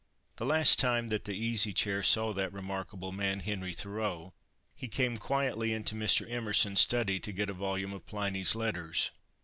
The last time that the Easy Chair saw that remarkable man, Henry Thoreau, he came quietly into Mr. Emerson's study to get a volume of Pliny's letters.